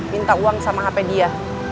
minta uang sama hp dia